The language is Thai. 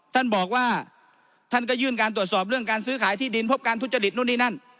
ท่านบอกว่าท่านก็ยื่นการตรวจสอบเรื่องการซื้อขายที่ดินพบการทุจริตนู่นนี่นั่น